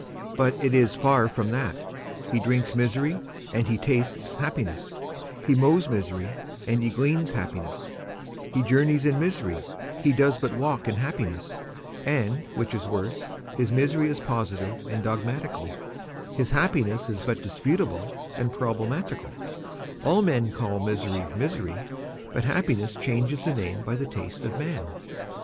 But it is far from that; he drinks misery, and he tastes happiness; he mows misery, and he gleans happiness; he journeys in misery, he does but walk in happiness; and, which is worst, his misery is positive and dogmatical, his happiness is but disputable and problematical: all men call misery misery, but happiness changes the name by the taste of man.